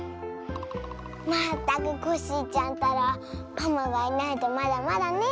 まったくコッシーちゃんったらパマがいないとまだまだねえ。